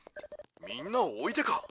みんなを置いてか？